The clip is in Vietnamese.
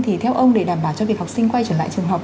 thì theo ông để đảm bảo cho việc học sinh quay trở lại trường học